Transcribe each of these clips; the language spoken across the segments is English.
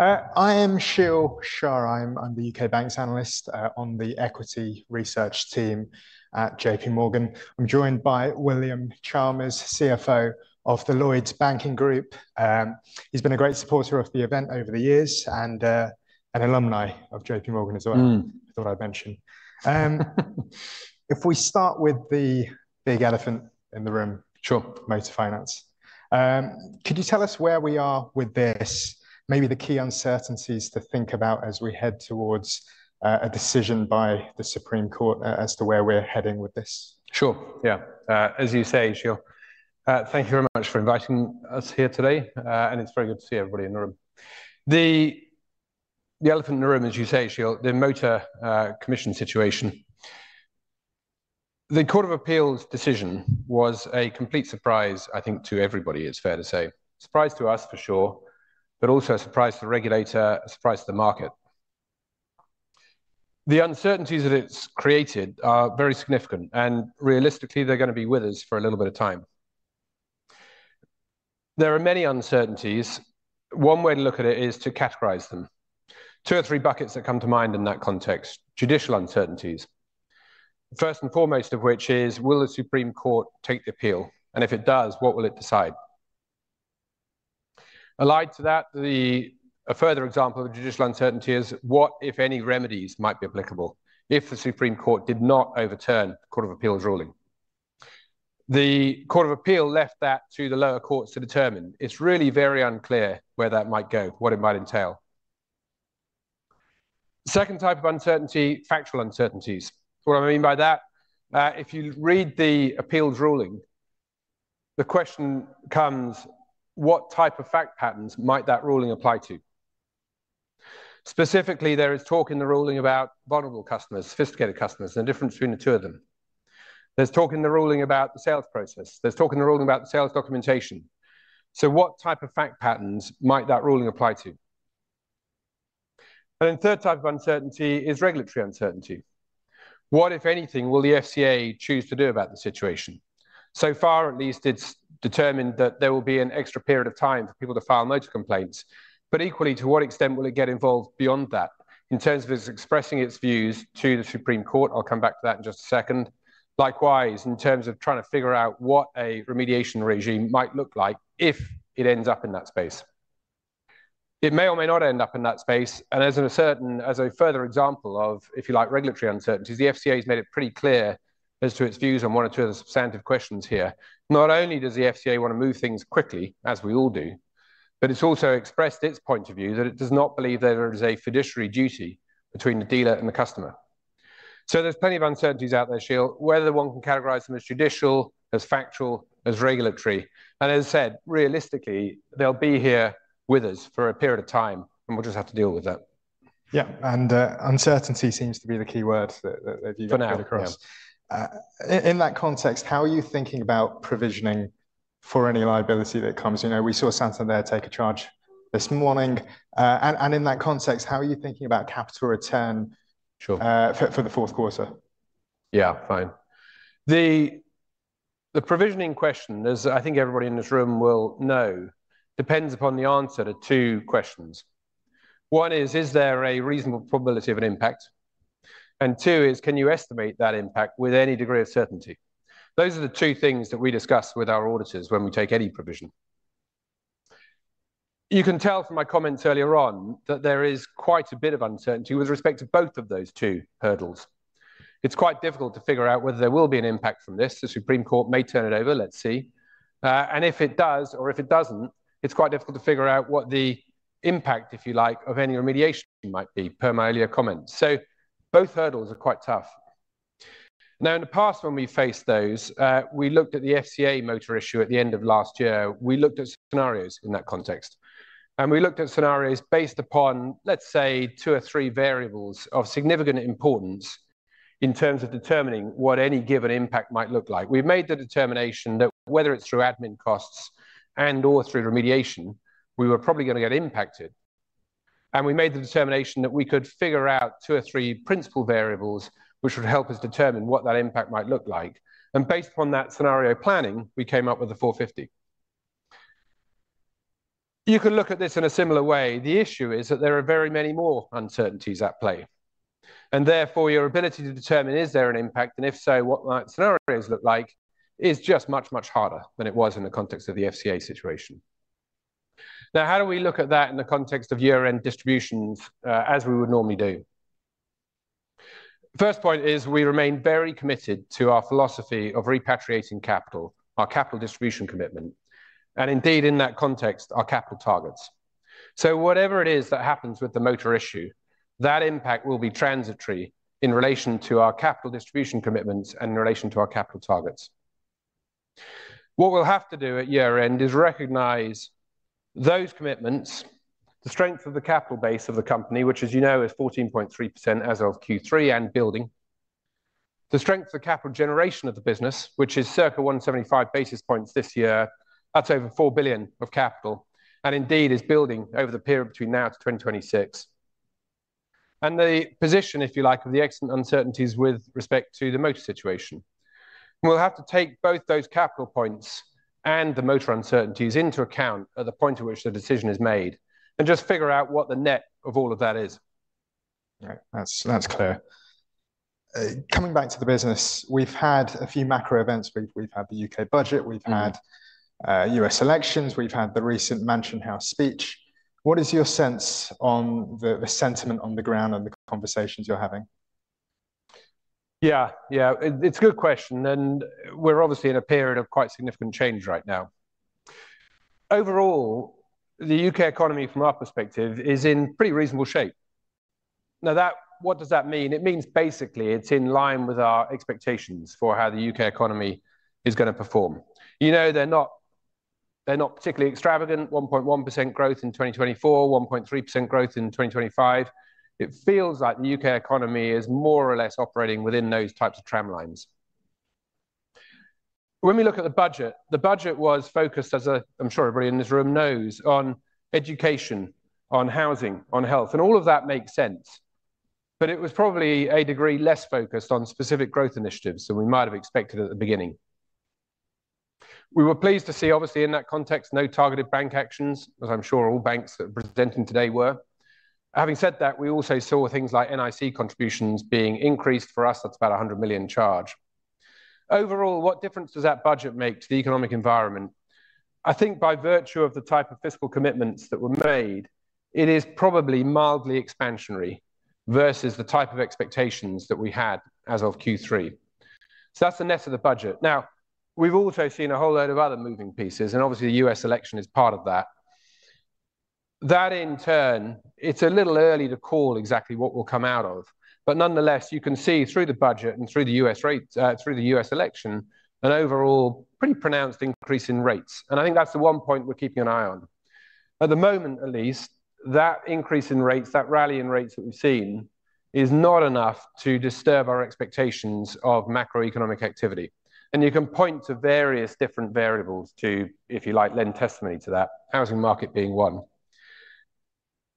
I am Sheel Shah, I'm the UK Banks analyst on the equity research team at J.P. Morgan. I'm joined by William Chalmers, CFO of the Lloyds Banking Group. He's been a great supporter of the event over the years and an alumni of J.P. Morgan as well. I thought I'd mention. If we start with the big elephant in the room, sure, motor finance. Could you tell us where we are with this, maybe the key uncertainties to think about as we head towards a decision by the Supreme Court as to where we're heading with this? Sure. Yeah. As you say, Sheel, thank you very much for inviting us here today. And it's very good to see everybody in the room. The elephant in the room, as you say, Sheel, the motor finance commission situation. The Court of Appeal's decision was a complete surprise, I think, to everybody; it's fair to say. Surprise to us, for sure, but also a surprise to the regulator, a surprise to the market. The uncertainties that it's created are very significant. And realistically, they're going to be with us for a little bit of time. There are many uncertainties. One way to look at it is to categorize them. Two or three buckets that come to mind in that context: judicial uncertainties. First and foremost of which is, will the Supreme Court take the appeal? And if it does, what will it decide? Allied to that, a further example of a judicial uncertainty is what, if any, remedies might be applicable if the Supreme Court did not overturn the Court of Appeal ruling. The Court of Appeal left that to the lower courts to determine. It's really very unclear where that might go, what it might entail. Second type of uncertainty, factual uncertainties. What do I mean by that? If you read the Appeal ruling, the question comes, what type of fact patterns might that ruling apply to? Specifically, there is talk in the ruling about vulnerable customers, sophisticated customers, and the difference between the two of them. There's talk in the ruling about the sales process. There's talk in the ruling about the sales documentation. So what type of fact patterns might that ruling apply to, and then third type of uncertainty is regulatory uncertainty. What, if anything, will the FCA choose to do about the situation? So far, at least, it's determined that there will be an extra period of time for people to file motor complaints. But equally, to what extent will it get involved beyond that in terms of expressing its views to the Supreme Court? I'll come back to that in just a second. Likewise, in terms of trying to figure out what a remediation regime might look like if it ends up in that space. It may or may not end up in that space. And as a further example of, if you like, regulatory uncertainties, the FCA has made it pretty clear as to its views on one or two of the substantive questions here. Not only does the FCA want to move things quickly, as we all do, but it's also expressed its point of view that it does not believe there is a fiduciary duty between the dealer and the customer, so there's plenty of uncertainties out there, Sheel, whether one can categorize them as judicial, as factual, as regulatory, and as I said, realistically, they'll be here with us for a period of time, and we'll just have to deal with that. Yeah. And uncertainty seems to be the key word that you've got across. In that context, how are you thinking about provisioning for any liability that comes? We saw Santander take a charge this morning. And in that context, how are you thinking about capital return for the Q4? Yeah, fine. The provisioning question, as I think everybody in this room will know, depends upon the answer to two questions. One is, is there a reasonable probability of an impact? And two is, can you estimate that impact with any degree of certainty? Those are the two things that we discuss with our auditors when we take any provision. You can tell from my comments earlier on that there is quite a bit of uncertainty with respect to both of those two hurdles. It's quite difficult to figure out whether there will be an impact from this. The Supreme Court may turn it over. Let's see. And if it does or if it doesn't, it's quite difficult to figure out what the impact, if you like, of any remediation might be per my earlier comments. So both hurdles are quite tough. Now, in the past, when we faced those, we looked at the FCA motor issue at the end of last year. We looked at scenarios in that context. And we looked at scenarios based upon, let's say, two or three variables of significant importance in terms of determining what any given impact might look like. We made the determination that whether it's through admin costs and/or through remediation, we were probably going to get impacted. And we made the determination that we could figure out two or three principal variables which would help us determine what that impact might look like. And based upon that scenario planning, we came up with the 450. You can look at this in a similar way. The issue is that there are very many more uncertainties at play. And therefore, your ability to determine is there an impact and if so, what might scenarios look like is just much, much harder than it was in the context of the FCA situation. Now, how do we look at that in the context of year-end distributions as we would normally do? First point is we remain very committed to our philosophy of repatriating capital, our capital distribution commitment, and indeed in that context, our capital targets. So whatever it is that happens with the motor issue, that impact will be transitory in relation to our capital distribution commitments and in relation to our capital targets. What we'll have to do at year-end is recognize those commitments, the strength of the capital base of the company, which, as you know, is 14.3% as of Q3 and building, the strength of the capital generation of the business, which is circa 175 basis points this year, that's over £4 billion of capital, and indeed is building over the period between now to 2026, and the position, if you like, of the existential uncertainties with respect to the motor situation. We'll have to take both those capital points and the motor uncertainties into account at the point at which the decision is made and just figure out what the net of all of that is. That's clear. Coming back to the business, we've had a few macro events. We've had the U.K. budget. We've had U.S. elections. We've had the recent Mansion House speech. What is your sense on the sentiment on the ground and the conversations you're having? Yeah, yeah. It's a good question. And we're obviously in a period of quite significant change right now. Overall, the U.K. economy from our perspective is in pretty reasonable shape. Now, what does that mean? It means basically it's in line with our expectations for how the U.K. economy is going to perform. You know, they're not particularly extravagant, 1.1% growth in 2024, 1.3% growth in 2025. It feels like the U.K. economy is more or less operating within those types of tramlines. When we look at the budget, the budget was focused, as I'm sure everybody in this room knows, on education, on housing, on health. And all of that makes sense. But it was probably a degree less focused on specific growth initiatives than we might have expected at the beginning. We were pleased to see, obviously, in that context, no targeted bank actions, as I'm sure all banks that are presenting today were. Having said that, we also saw things like NIC contributions being increased for us. That's about a 100 million charge. Overall, what difference does that budget make to the economic environment? I think by virtue of the type of fiscal commitments that were made, it is probably mildly expansionary versus the type of expectations that we had as of Q3. So that's the net of the budget. Now, we've also seen a whole load of other moving pieces. And obviously, the U.S. election is part of that. That, in turn, it's a little early to call exactly what will come out of. But nonetheless, you can see through the budget and through the U.S. election, an overall pretty pronounced increase in rates. I think that's the one point we're keeping an eye on. At the moment, at least, that increase in rates, that rally in rates that we've seen, is not enough to disturb our expectations of macroeconomic activity. You can point to various different variables to, if you like, lend testimony to that, housing market being one.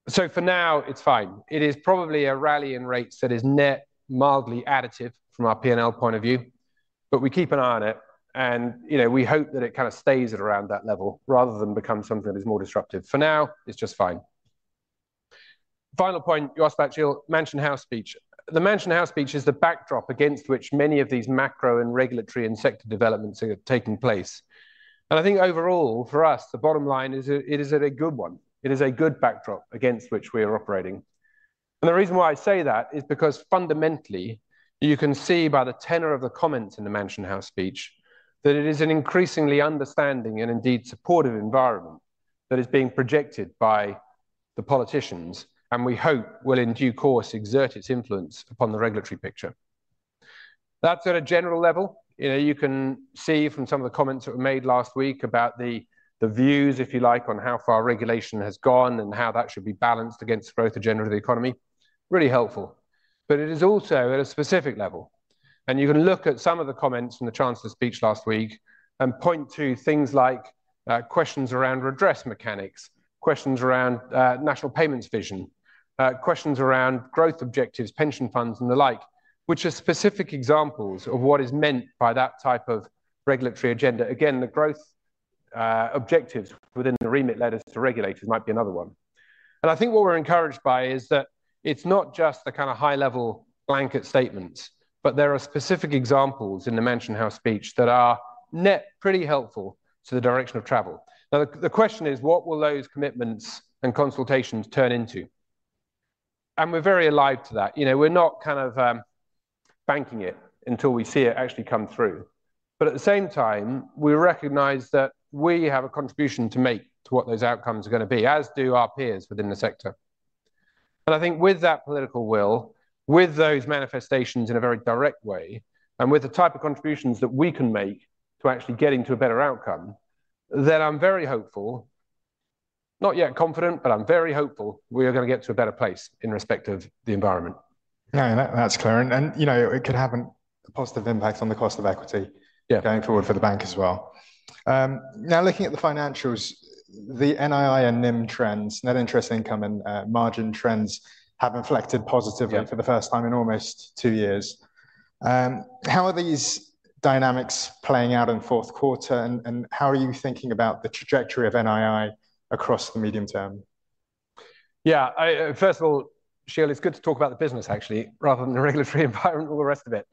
For now, it's fine. It is probably a rally in rates that is net mildly additive from our P&L point of view. We keep an eye on it. We hope that it kind of stays at around that level rather than become something that is more disruptive. For now, it's just fine. Final point you asked about, Sheel, Mansion House speech. The Mansion House speech is the backdrop against which many of these macro and regulatory and sector developments are taking place. I think overall, for us, the bottom line is it is a good one. It is a good backdrop against which we are operating. The reason why I say that is because fundamentally, you can see by the tenor of the comments in the Mansion House speech that it is an increasingly understanding and indeed supportive environment that is being projected by the politicians, and we hope will in due course exert its influence upon the regulatory picture. That's at a general level. You can see from some of the comments that were made last week about the views, if you like, on how far regulation has gone and how that should be balanced against the growth of general economy. Really helpful. It is also at a specific level. And you can look at some of the comments from the Chancellor's speech last week and point to things like questions around redress mechanics, questions around National Payments Vision, questions around growth objectives, pension funds, and the like, which are specific examples of what is meant by that type of regulatory agenda. Again, the growth objectives within the remit letters to regulators might be another one. And I think what we're encouraged by is that it's not just the kind of high-level blanket statements, but there are specific examples in the Mansion House speech that are not pretty helpful to the direction of travel. Now, the question is, what will those commitments and consultations turn into? And we're very alive to that. We're not kind of banking it until we see it actually come through. But at the same time, we recognize that we have a contribution to make to what those outcomes are going to be, as do our peers within the sector. And I think with that political will, with those manifestations in a very direct way, and with the type of contributions that we can make to actually get into a better outcome, then I'm very hopeful, not yet confident, but I'm very hopeful we are going to get to a better place in respect of the environment. Yeah, that's clear. And it could have a positive impact on the cost of equity going forward for the bank as well. Now, looking at the financials, the NII and NIM trends, net interest income and margin trends have inflected positively for the first time in almost two years. How are these dynamics playing out in Q4? And how are you thinking about the trajectory of NII across the medium term? Yeah. First of all, Sheel, it's good to talk about the business, actually, rather than the regulatory environment or the rest of it.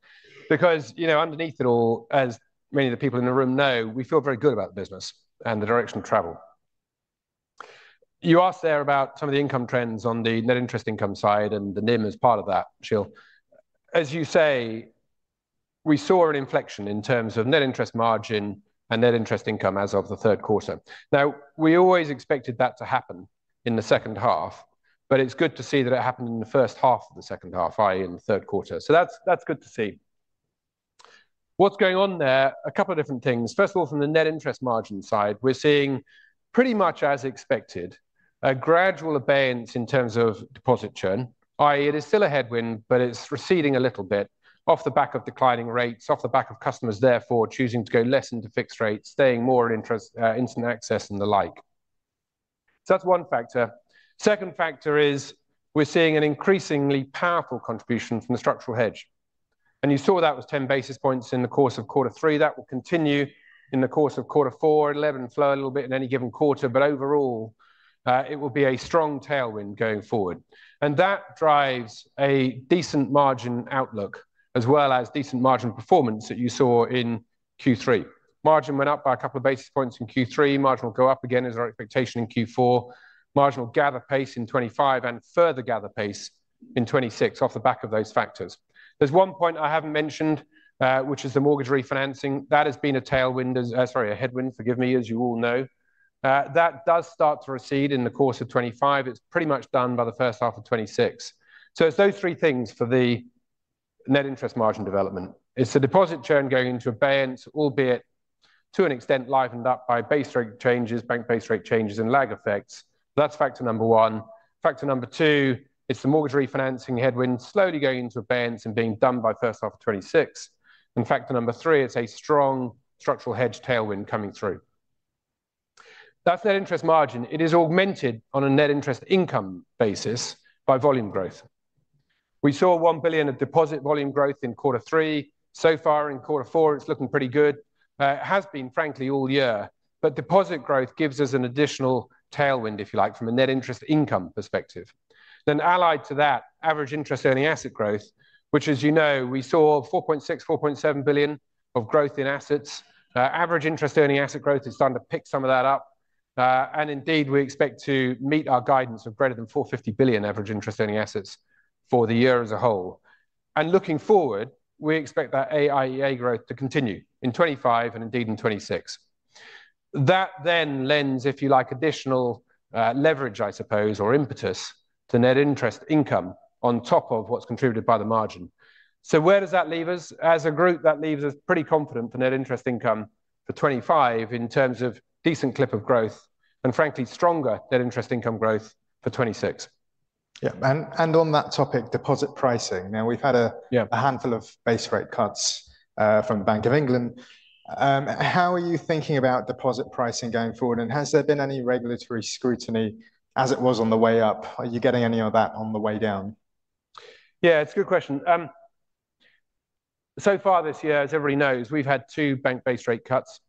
Because underneath it all, as many of the people in the room know, we feel very good about the business and the direction of travel. You asked there about some of the income trends on the net interest income side and the NIM as part of that, Sheel. As you say, we saw an inflection in terms of net interest margin and net interest income as of the Q3. Now, we always expected that to happen in the second half. But it's good to see that it happened in the first half of the second half, i.e., in the Q3. So that's good to see. What's going on there? A couple of different things. First of all, from the net interest margin side, we're seeing pretty much as expected a gradual abatement in terms of deposit churn, i.e., it is still a headwind, but it's receding a little bit off the back of declining rates, off the back of customers therefore choosing to go less into fixed rates, staying more in instant access and the like. So that's one factor. Second factor is we're seeing an increasingly powerful contribution from the structural hedge. And you saw that was 10 basis points in the course of quarter three. That will continue in the course of quarter four, 11 albeit a little bit in any given quarter. But overall, it will be a strong tailwind going forward. And that drives a decent margin outlook as well as decent margin performance that you saw in Q3. Margin went up by a couple of basis points in Q3. Margin will go up again as our expectation in Q4. Margin will gather pace in 2025 and further gather pace in 2026 off the back of those factors. There's one point I haven't mentioned, which is the mortgage refinancing. That has been a tailwind, sorry, a headwind, forgive me, as you all know. That does start to recede in the course of 2025. It's pretty much done by the first half of 2026. So it's those three things for the net interest margin development. It's the deposit churn going into abeyance, albeit to an extent livened up by base rate changes, bank base rate changes, and lag effects. That's factor number one. Factor number two is the mortgage refinancing headwind slowly going into abeyance and being done by first half of 2026, and factor number three, it's a strong structural hedge tailwind coming through. That's net interest margin. It is augmented on a net interest income basis by volume growth. We saw one billion of deposit volume growth in quarter three. So far in quarter four, it's looking pretty good. It has been, frankly, all year, but deposit growth gives us an additional tailwind, if you like, from a net interest income perspective, then allied to that, average interest earning asset growth, which, as you know, we saw 4.6-4.7 billion of growth in assets. Average interest earning asset growth is starting to pick some of that up, and indeed, we expect to meet our guidance of greater than 450 billion average interest earning assets for the year as a whole, and looking forward, we expect that AIEA growth to continue in 2025 and indeed in 2026. That then lends, if you like, additional leverage, I suppose, or impetus to net interest income on top of what's contributed by the margin. So where does that leave us? As a group, that leaves us pretty confident for net interest income for 2025 in terms of decent clip of growth and, frankly, stronger net interest income growth for 2026. Yeah, and on that topic, deposit pricing. Now, we've had a handful of base rate cuts from the Bank of England. How are you thinking about deposit pricing going forward? And has there been any regulatory scrutiny as it was on the way up? Are you getting any of that on the way down? Yeah, it's a good question. So far this year, as everybody knows, we've had two bank base rate cuts.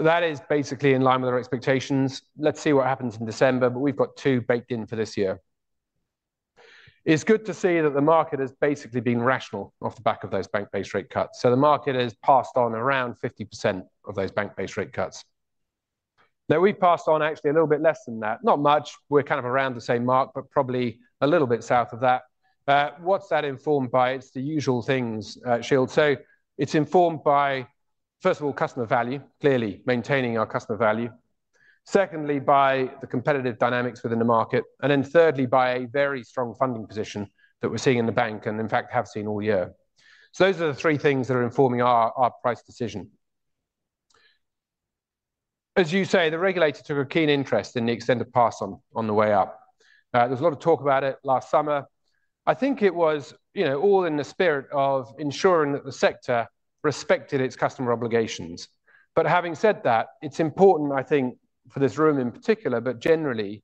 That is basically in line with our expectations. Let's see what happens in December, but we've got two baked in for this year. It's good to see that the market has basically been rational off the back of those bank base rate cuts. So the market has passed on around 50% of those bank base rate cuts. Now, we've passed on actually a little bit less than that. Not much. We're kind of around the same mark, but probably a little bit south of that. What's that informed by? It's the usual things, Sheel. So it's informed by, first of all, customer value, clearly maintaining our customer value. Secondly, by the competitive dynamics within the market. And then thirdly, by a very strong funding position that we're seeing in the bank and, in fact, have seen all year. So those are the three things that are informing our price decision. As you say, the regulators took a keen interest in the extended pass on the way up. There was a lot of talk about it last summer. I think it was all in the spirit of ensuring that the sector respected its customer obligations. But having said that, it's important, I think, for this room in particular, but generally,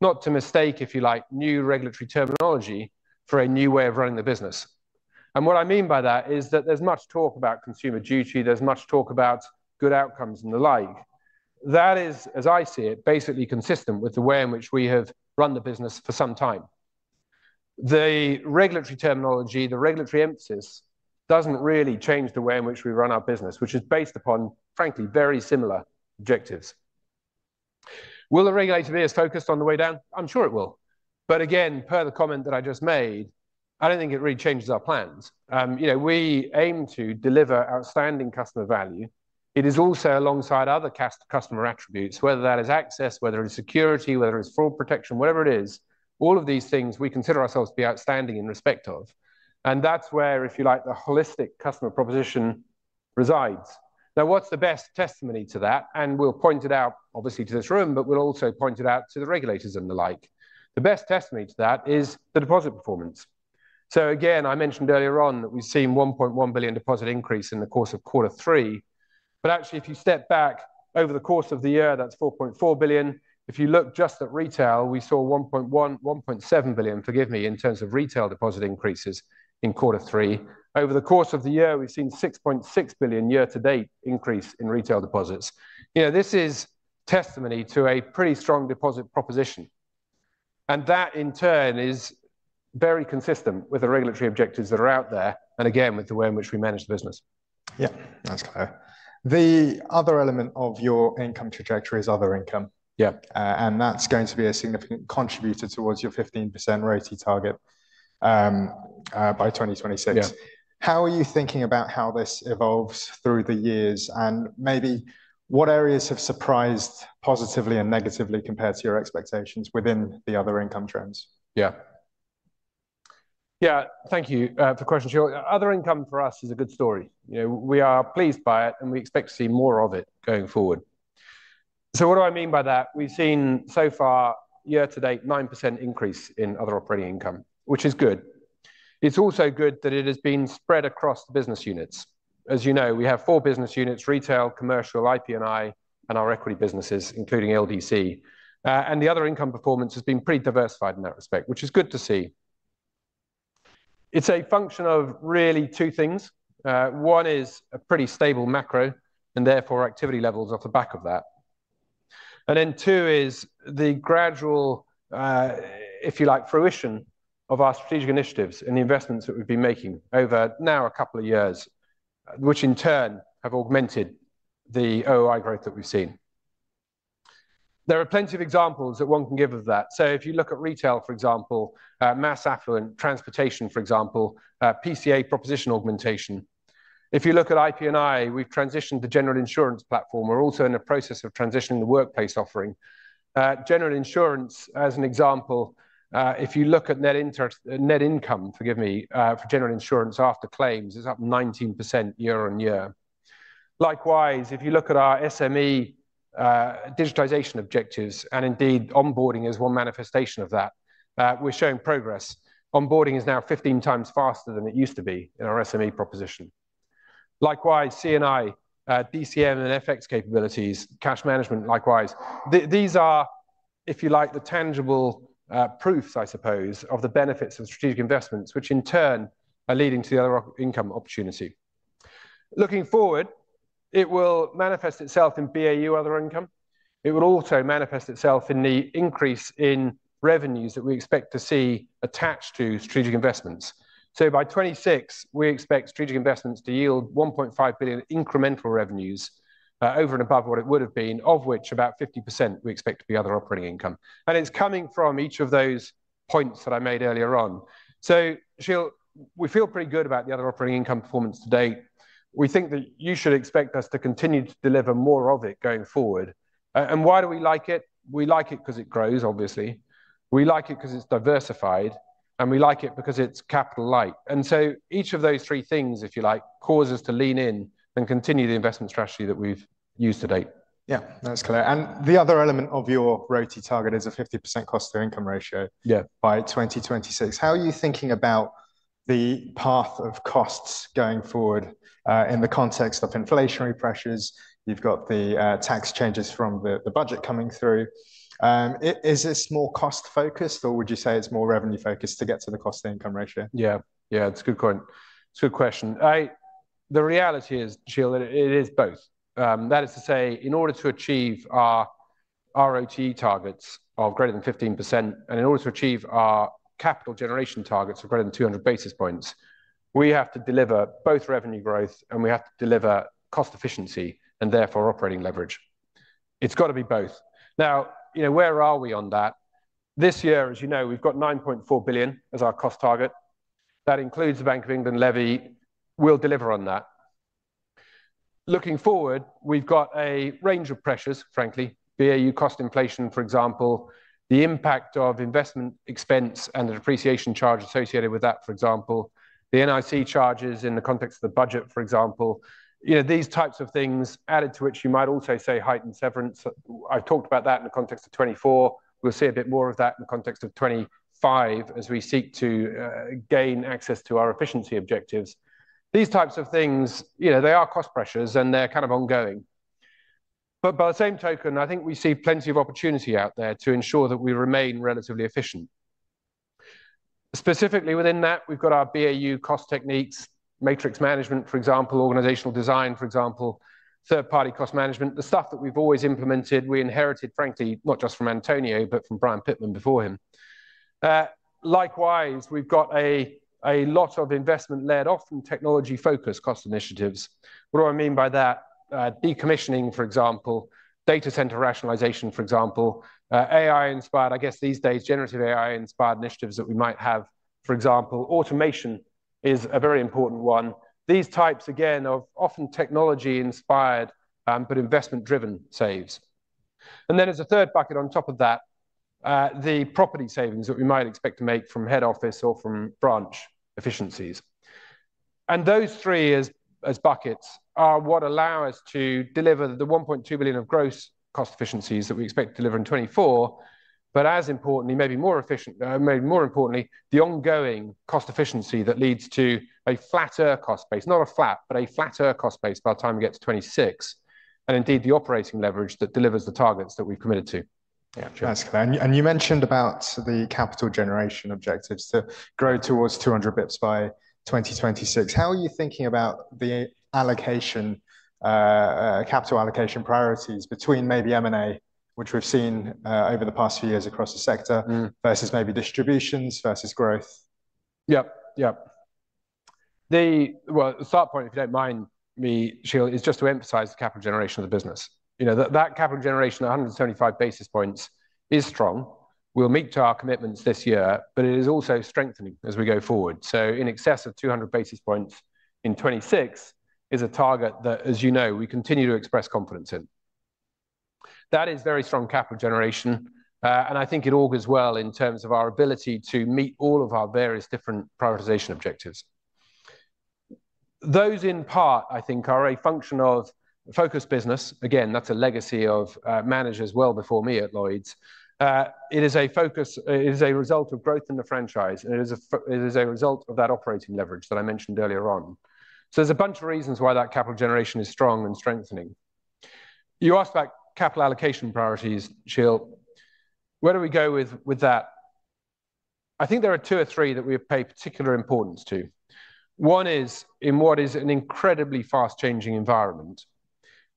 not to mistake, if you like, new regulatory terminology for a new way of running the business. And what I mean by that is that there's much talk about Consumer Duty. There's much talk about good outcomes and the like. That is, as I see it, basically consistent with the way in which we have run the business for some time. The regulatory terminology, the regulatory emphasis doesn't really change the way in which we run our business, which is based upon, frankly, very similar objectives. Will the regulator be as focused on the way down? I'm sure it will. But again, per the comment that I just made, I don't think it really changes our plans. We aim to deliver outstanding customer value. It is also alongside other customer attributes, whether that is access, whether it's security, whether it's fraud protection, whatever it is, all of these things we consider ourselves to be outstanding in respect of. And that's where, if you like, the holistic customer proposition resides. Now, what's the best testimony to that? We'll point it out, obviously, to this room, but we'll also point it out to the regulators and the like. The best testimony to that is the deposit performance. Again, I mentioned earlier on that we've seen a 1.1 billion deposit increase in the course of quarter three. Actually, if you step back over the course of the year, that's 4.4 billion. If you look just at retail, we saw 1.7 billion, forgive me, in terms of retail deposit increases in quarter three. Over the course of the year, we've seen a 6.6 billion year-to-date increase in retail deposits. This is testimony to a pretty strong deposit proposition. That, in turn, is very consistent with the regulatory objectives that are out there and, again, with the way in which we manage the business. Yeah, that's clear. The other element of your income trajectory is other income. Yeah. And that's going to be a significant contributor towards your 15% royalty target by 2026. How are you thinking about how this evolves through the years? And maybe what areas have surprised positively and negatively compared to your expectations within the other income trends? Yeah. Yeah, thank you for the question, Sheel. Other income for us is a good story. We are pleased by it, and we expect to see more of it going forward. So what do I mean by that? We've seen so far, year-to-date, a 9% increase in other operating income, which is good. It's also good that it has been spread across the business units. As you know, we have four business units: retail, commercial, IP&I, and our equity businesses, including LDC. And the other income performance has been pretty diversified in that respect, which is good to see. It's a function of really two things. One is a pretty stable macro and therefore activity levels off the back of that. Then two is the gradual, if you like, fruition of our strategic initiatives and the investments that we've been making over now a couple of years, which in turn have augmented the OI growth that we've seen. There are plenty of examples that one can give of that. So if you look at retail, for example, mass affluent, transportation, for example, PCA proposition augmentation. If you look at IP&I, we've transitioned to general insurance platform. We're also in the process of transitioning the workplace offering. General insurance, as an example, if you look at net income, forgive me, for general insurance after claims, it's up 19% year-on-year. Likewise, if you look at our SME digitization objectives and indeed onboarding as one manifestation of that, we're showing progress. Onboarding is now 15 times faster than it used to be in our SME proposition. Likewise, C&I, DCM, and FX capabilities, cash management likewise. These are, if you like, the tangible proofs, I suppose, of the benefits of strategic investments, which in turn are leading to the other income opportunity. Looking forward, it will manifest itself in BAU other income. It will also manifest itself in the increase in revenues that we expect to see attached to strategic investments. By 2026, we expect strategic investments to yield 1.5 billion incremental revenues over and above what it would have been, of which about 50% we expect to be other operating income. It's coming from each of those points that I made earlier on. Sheel, we feel pretty good about the other operating income performance to date. We think that you should expect us to continue to deliver more of it going forward. Why do we like it? We like it because it grows, obviously. We like it because it's diversified, and we like it because it's capital light, and so each of those three things, if you like, cause us to lean in and continue the investment strategy that we've used to date. Yeah, that's clear and the other element of your ROTE target is a 50% cost to income ratio by 2026. How are you thinking about the path of costs going forward in the context of inflationary pressures? You've got the tax changes from the budget coming through. Is this more cost-focused, or would you say it's more revenue-focused to get to the cost of income ratio? Yeah, yeah, it's a good question. The reality is, Sheel, it is both. That is to say, in order to achieve our ROTE targets of greater than 15% and in order to achieve our capital generation targets of greater than 200 basis points, we have to deliver both revenue growth and we have to deliver cost efficiency and therefore operating leverage. It's got to be both. Now, where are we on that? This year, as you know, we've got 9.4 billion as our cost target. That includes the Bank of England levy. We'll deliver on that. Looking forward, we've got a range of pressures, frankly. BAU cost inflation, for example, the impact of investment expense and the depreciation charge associated with that, for example, the NIC charges in the context of the budget, for example. These types of things, added to which you might also say heightened severance. I've talked about that in the context of 2024. We'll see a bit more of that in the context of 2025 as we seek to gain access to our efficiency objectives. These types of things, they are cost pressures and they're kind of ongoing. But by the same token, I think we see plenty of opportunity out there to ensure that we remain relatively efficient. Specifically within that, we've got our BAU cost techniques, matrix management, for example, organizational design, for example, third-party cost management, the stuff that we've always implemented. We inherited, frankly, not just from Antonio, but from Brian Pitman before him. Likewise, we've got a lot of investment-led from technology-focused cost initiatives. What do I mean by that? Decommissioning, for example, data center rationalization, for example, AI-inspired, I guess these days, generative AI-inspired initiatives that we might have, for example. Automation is a very important one. These types, again, of often technology-inspired but investment-driven saves. And then there's a third bucket on top of that, the property savings that we might expect to make from head office or from branch efficiencies. And those three as buckets are what allow us to deliver the 1.2 billion of gross cost efficiencies that we expect to deliver in 2024, but as importantly, maybe more importantly, the ongoing cost efficiency that leads to a flatter cost base, not a flat, but a flatter cost base by the time we get to 2026, and indeed the operating leverage that delivers the targets that we've committed to. Yeah, that's clear, and you mentioned about the capital generation objectives to grow towards 200 basis points by 2026. How are you thinking about the allocation, capital allocation priorities between maybe M&A, which we've seen over the past few years across the sector, versus maybe distributions versus growth? Yep, yep. The start point, if you don't mind me, Sheel, is just to emphasize the capital generation of the business. That capital generation of 175 basis points is strong. We'll meet our commitments this year, but it is also strengthening as we go forward. So in excess of 200 basis points in 2026 is a target that, as you know, we continue to express confidence in. That is very strong capital generation, and I think it augurs well in terms of our ability to meet all of our various different prioritization objectives. Those in part, I think, are a function of focused business. Again, that's a legacy of managers well before me at Lloyds. It is a focus, it is a result of growth in the franchise, and it is a result of that operating leverage that I mentioned earlier on. So there's a bunch of reasons why that capital generation is strong and strengthening. You asked about capital allocation priorities, Sheel. Where do we go with that? I think there are two or three that we pay particular importance to. One is in what is an incredibly fast-changing environment.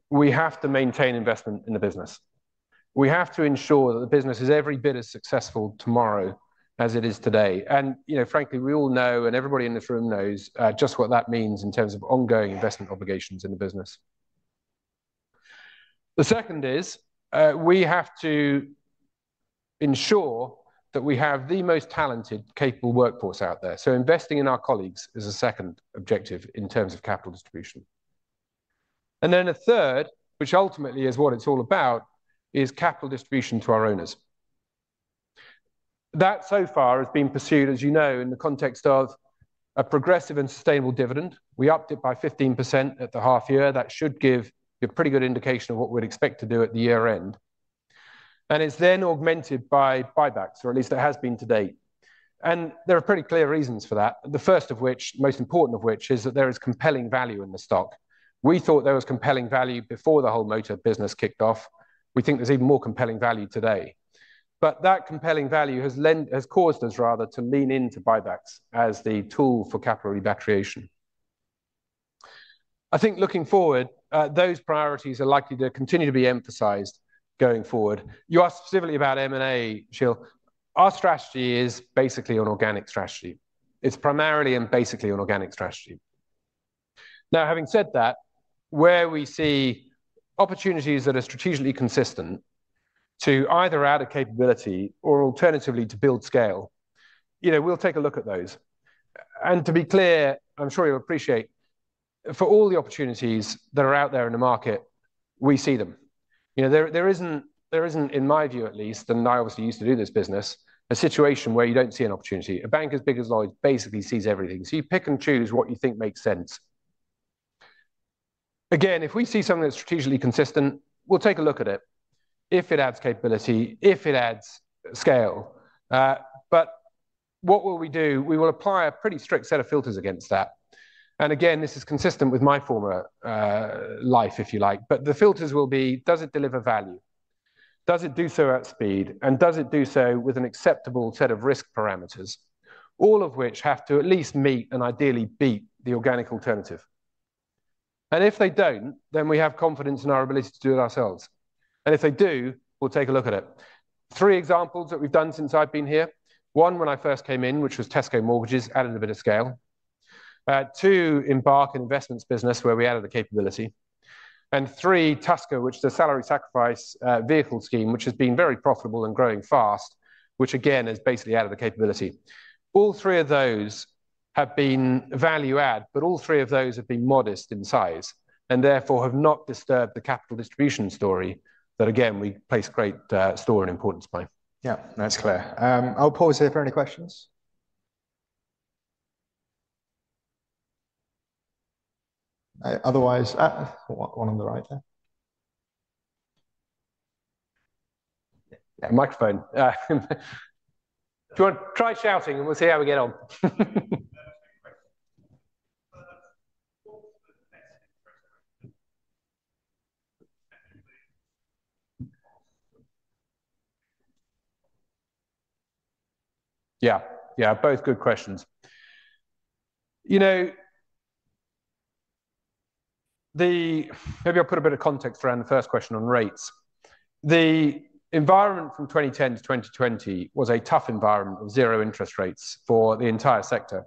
We have to maintain investment in the business. We have to ensure that the business is every bit as successful tomorrow as it is today. And frankly, we all know, and everybody in this room knows just what that means in terms of ongoing investment obligations in the business. The second is we have to ensure that we have the most talented, capable workforce out there. So investing in our colleagues is a second objective in terms of capital distribution. And then a third, which ultimately is what it's all about, is capital distribution to our owners. That so far has been pursued, as you know, in the context of a progressive and sustainable dividend. We upped it by 15% at the half year. That should give you a pretty good indication of what we'd expect to do at the year-end. It's then augmented by buybacks, or at least it has been to date. There are pretty clear reasons for that, the first of which, most important of which, is that there is compelling value in the stock. We thought there was compelling value before the whole motor business kicked off. We think there's even more compelling value today. But that compelling value has caused us rather to lean into buybacks as the tool for capital repatriation. I think looking forward, those priorities are likely to continue to be emphasized going forward. You asked specifically about M&A, Sheel. Our strategy is basically an organic strategy. It's primarily and basically an organic strategy. Now, having said that, where we see opportunities that are strategically consistent to either add a capability or alternatively to build scale, we'll take a look at those. And to be clear, I'm sure you'll appreciate, for all the opportunities that are out there in the market, we see them. There isn't, in my view at least, and I obviously used to do this business, a situation where you don't see an opportunity. A bank as big as Lloyds basically sees everything. So you pick and choose what you think makes sense. Again, if we see something that's strategically consistent, we'll take a look at it if it adds capability, if it adds scale. But what will we do? We will apply a pretty strict set of filters against that. And again, this is consistent with my former life, if you like. But the filters will be, does it deliver value? Does it do so at speed? And does it do so with an acceptable set of risk parameters, all of which have to at least meet and ideally beat the organic alternative? And if they don't, then we have confidence in our ability to do it ourselves. And if they do, we'll take a look at it. Three examples that we've done since I've been here. One, when I first came in, which was Tesco Mortgages, added a bit of scale. Two, Embark, an investments business where we added a capability. And three, Tusker, which is a salary sacrifice vehicle scheme, which has been very profitable and growing fast, which again has basically added a capability. All three of those have been value add, but all three of those have been modest in size and therefore have not disturbed the capital distribution story that, again, we place great store and importance by. Yeah, that's clear. I'll pause here for any questions. Otherwise, one on the right there. Microphone. Do you want to try shouting and we'll see how we get on? Yeah, yeah, both good questions. Maybe I'll put a bit of context around the first question on rates. The environment from 2010 to 2020 was a tough environment of zero interest rates for the entire sector.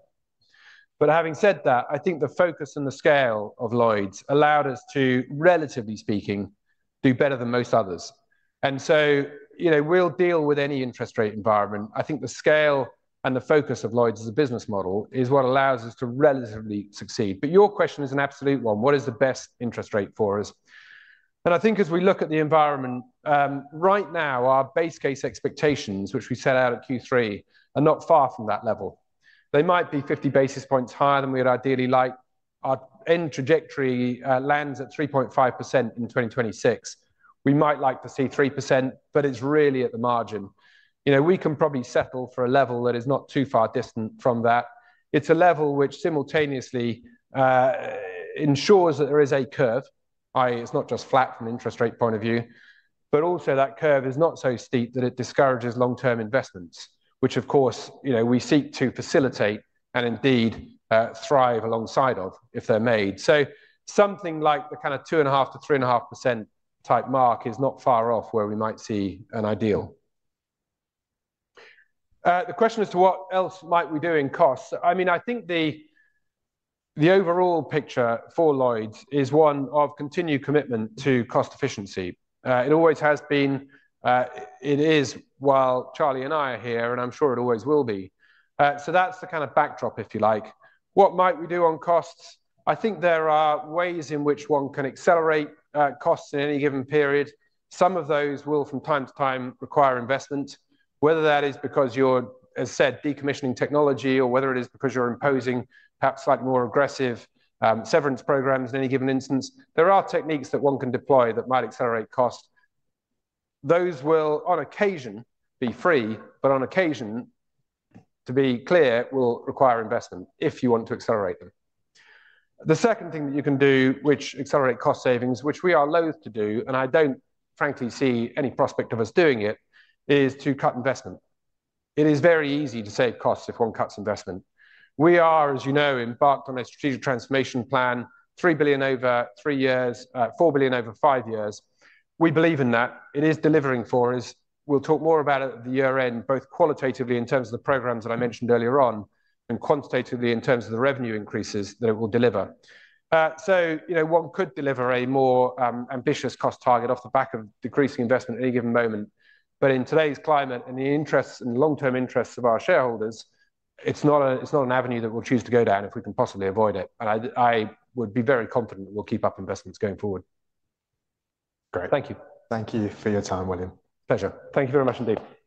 But having said that, I think the focus and the scale of Lloyds allowed us to, relatively speaking, do better than most others. And so we'll deal with any interest rate environment. I think the scale and the focus of Lloyds as a business model is what allows us to relatively succeed. But your question is an absolute one. What is the best interest rate for us? And I think as we look at the environment, right now, our base case expectations, which we set out at Q3, are not far from that level. They might be 50 basis points higher than we would ideally like. Our end trajectory lands at 3.5% in 2026. We might like to see 3%, but it's really at the margin. We can probably settle for a level that is not too far distant from that. It's a level which simultaneously ensures that there is a curve, i.e., it's not just flat from an interest rate point of view, but also that curve is not so steep that it discourages long-term investments, which, of course, we seek to facilitate and indeed thrive alongside of if they're made. So something like the kind of 2.5%-3.5% type mark is not far off where we might see an ideal. The question as to what else might we do in costs? I mean, I think the overall picture for Lloyds is one of continued commitment to cost efficiency. It always has been, it is while Charlie and I are here, and I'm sure it always will be. So that's the kind of backdrop, if you like. What might we do on costs? I think there are ways in which one can accelerate costs in any given period. Some of those will, from time to time, require investment, whether that is because you're, as said, decommissioning technology or whether it is because you're imposing perhaps more aggressive severance programs in any given instance. There are techniques that one can deploy that might accelerate costs. Those will, on occasion, be free, but on occasion, to be clear, will require investment if you want to accelerate them. The second thing that you can do, which accelerates cost savings, which we are loath to do, and I don't frankly see any prospect of us doing it, is to cut investment. It is very easy to save costs if one cuts investment. We are, as you know, embarked on a strategic transformation plan, 3 billion over three years, 4 billion over five years. We believe in that. It is delivering for us. We'll talk more about it at the year-end, both qualitatively in terms of the programs that I mentioned earlier on and quantitatively in terms of the revenue increases that it will deliver. So one could deliver a more ambitious cost target off the back of decreasing investment at any given moment. But in today's climate and the interests and long-term interests of our shareholders, it's not an avenue that we'll choose to go down if we can possibly avoid it. But I would be very confident that we'll keep up investments going forward. Great. Thank you. Thank you for your time, William. Pleasure. Thank you very much indeed.